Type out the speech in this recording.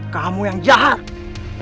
kamu yang jahat